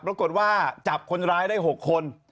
ปรากฏว่าจับคนร้ายได้๖คน